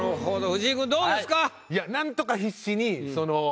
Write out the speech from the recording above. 藤井くんどうですか？